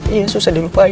iya susah di lupain